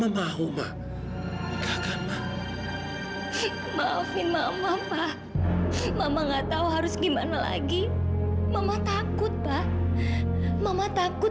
benar seperti itu